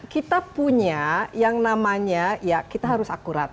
kita punya yang namanya ya kita harus akurat